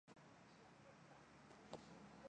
听大学同事说